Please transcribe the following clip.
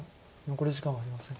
残り時間はありません。